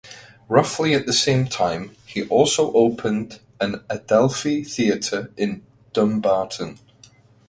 Roughly at the same time he also opened an Adelphi Theatre in Dumbarton.